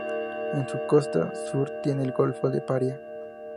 En su costa sur tiene al Golfo de Paria.